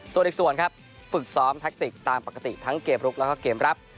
ส่วนอีกส่วนครับฝึกซ้อมแท็กติกตามปกติทั้งเกมลุกแล้วก็เกมรับ